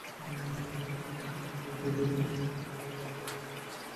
তার পর থেকে চন্দ্র বেশ কয়েকটি ছবি পরিচালনা করেছেন, যার মধ্যে অনেকগুলিই বিশেষ নজরে আসেনি।